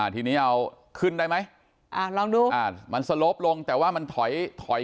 ทีนี้เอาขึ้นได้ไหมลองดูอ่ามันสโลปลงแต่ว่ามันถอยถอย